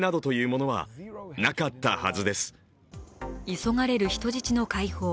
急がれる人質の解放。